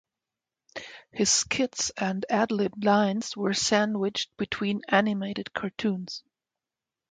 His skits and adlibbed lines were sandwiched between animated cartoons.